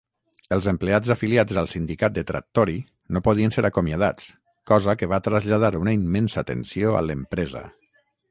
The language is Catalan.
Els empleats afiliats al sindicat de Trattori no podien ser acomiadats, cosa que va traslladar una immensa tensió a l'empresa.